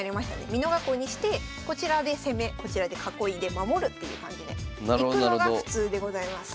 美濃囲いにしてこちらで攻めこちらで囲いで守るっていう感じでいくのが普通でございます。